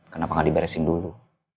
kenapa gak diberesin dulu